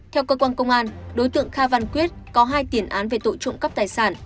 theo cơ quan công an đối tượng kha văn quyết có hai tiền án về tội trộm cắp tài sản